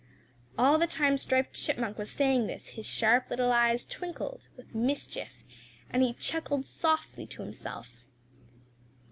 All the time Striped Chipmunk was saying this his sharp little eyes twinkled with mischief and he chuckled softly to himself.